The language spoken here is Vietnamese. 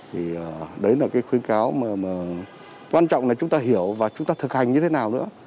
vì đấy là cái khuyến cáo mà quan trọng là chúng ta hiểu và chúng ta thực hành như thế nào nữa